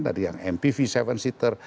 tadi yang mpv tujuh seater